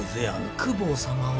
公方様は。